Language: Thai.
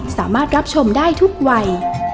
สามารถรับชมได้ทุกวัย